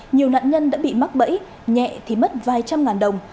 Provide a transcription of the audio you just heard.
nhiều nạn nhân đã bị mắc bẫy nhẹ thì mất vài trăm ngàn đồng